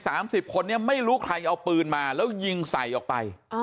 สิบคนนี้ไม่รู้ใครเอาปืนมาแล้วยิงใส่ออกไป